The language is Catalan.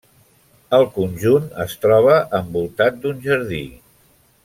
El conjunt es troba envoltat d'un jardí.